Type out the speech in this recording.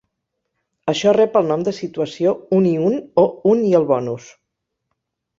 Això rep el nom de situació "un i un" o "un i el bonus".